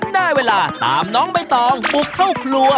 ได้เวลาตามน้องใบตองบุกเข้าครัว